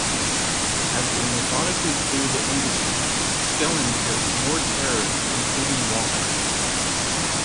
As they methodically clear the embassy, Skellen kills more terrorists including Walker.